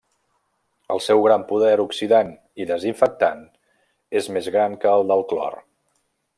El seu gran poder oxidant i desinfectant és més gran que el del clor.